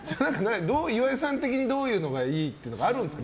岩井さん的にどういうのがいいってあるんですか？